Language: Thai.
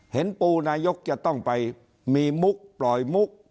ปูนายกจะต้องไปมีมุกปล่อยมุก